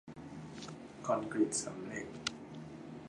คอนกรีตเสริมเหล็ก